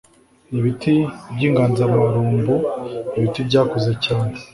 ibiti by'inganzamarumbu ibiti byakuze cyane